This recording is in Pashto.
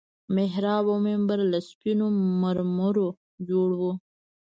محراب او منبر له سپينو مرمرو جوړ وو.